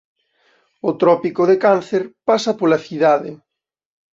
O trópico de Cáncer pasa pola cidade.